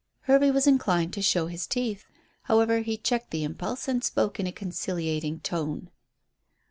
Hervey was inclined to show his teeth. However, he checked the impulse and spoke in a conciliating tone.